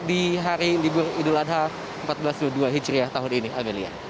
di hari libur idul adha empat belas dua hijri tahun ini amelia